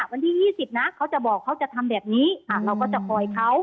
วันที่ยี่สิบนะเขาจะบอกเขาจะทำแบบนี้อ่ะเราก็จะปล่อยเขา